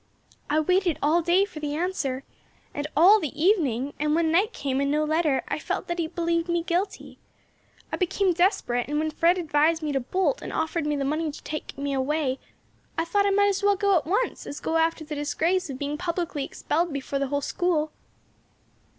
I waited all day for the answer, and all the evening, and when night came and no letter I felt that you believed me guilty; I became desperate, and when Fred advised me to bolt, and offered me the money to take me away, I thought I might as well go at once as go after the disgrace of being publicly expelled before the whole school."